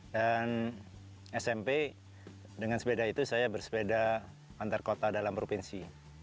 dan smp dengan sepeda itu saya bersepeda antar kota dalam provinsi